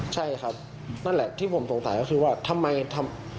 ใช่ครับนั่นแหละที่ผมสงสัยก็คือว่าทำไมทำ